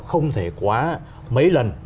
không thể quá mấy lần